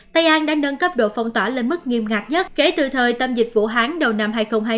tây an đã nâng cấp độ phong tỏa lên mức nghiêm ngạc nhất kể từ thời tâm dịch vũ hán đầu năm hai nghìn hai mươi